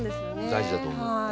大事だと思う。